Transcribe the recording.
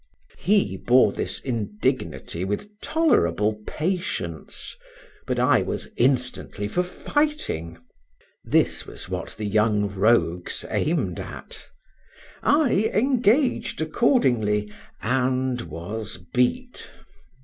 He bore this indignity with tolerable patience, but I was instantly for fighting. This was what the young rogues aimed at. I engaged accordingly, and was beat.